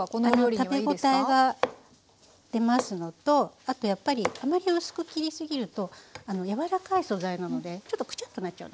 食べ応えが出ますのとあとやっぱりあまり薄く切りすぎるとやわらかい素材なのでちょっとクチャっとなっちゃうんですよ。